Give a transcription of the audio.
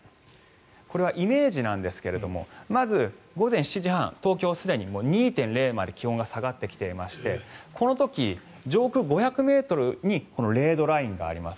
これはイメージなんですがまず、午前７時半東京、すでに２．０度まで気温が下がってきていましてこの時、上空５００ｍに０度ラインがあります。